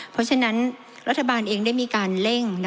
เพราะฉะนั้นรัฐบาลเองได้มีการเร่ง